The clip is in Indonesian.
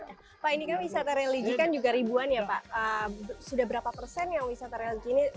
nah pak ini kan wisata religi kan juga ribuan ya pak sudah berapa persen ya wisata religi ini